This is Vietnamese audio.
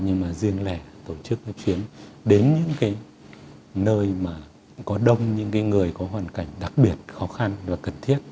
nhưng mà riêng lẻ tổ chức cái chuyến đến những cái nơi mà có đông những cái người có hoàn cảnh đặc biệt khó khăn và cần thiết